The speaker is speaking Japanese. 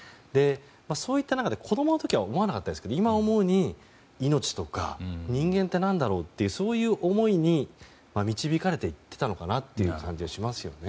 そういった中で子供のころは思わなかったですけど今思うに命とか人間って何だろうという思いに導かれていっていたのかなという気がしますね。